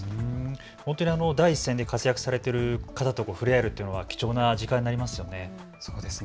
本当に第一線で活躍されている方と触れ合えるというのは貴重な時間になりますよね。